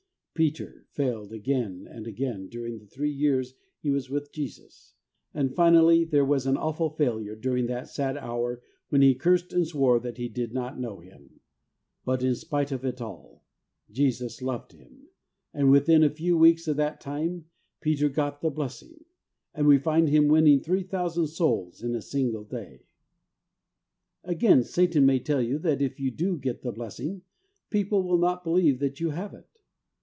Peter failed again and again during the three years he was with Jesus, and finally there was an awful failure during that sad hour when he cursed and swore that he did not know Him ; but in spite of it all, Jesus loved him, and within a few weeks of that time, Peter got the HOW TO GET HOLINESS 2 1 blessing , and we find him winning three thousand souls in a single day. Again, Satan may tell you that if you do get the blessing, people will not believe that you have it.